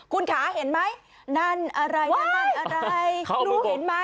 คุณขาเห็นไหมนั่นอะไรนั่นอะไรลูกเห็นไหม